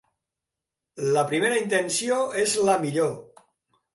La primera intenció és la millor.